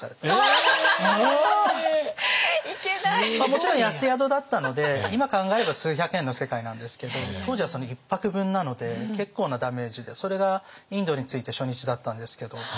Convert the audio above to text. もちろん安宿だったので今考えれば数百円の世界なんですけど当時は１泊分なので結構なダメージでそれがインドに着いて初日だったんですけど。